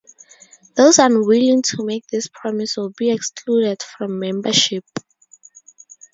Those unwilling to make this promise would be excluded from membership.